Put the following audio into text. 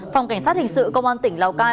phòng cảnh sát hình sự công an tỉnh lào cai